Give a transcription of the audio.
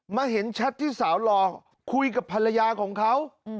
มาเห็นแชทที่สาวหล่อคุยกับภรรยาของเขา